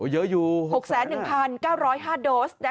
เยอะอยู่๖๑๙๐๕โดส